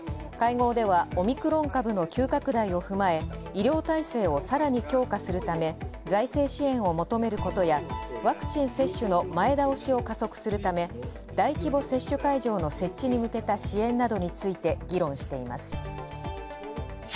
会合ではオミクロン株の急拡大を踏まえ、医療体制をさらに強化するため、財政支援を求めることやワクチン接種の前倒しを加速するため、大規模接種会場の設置に向けた支援などについて議論しています。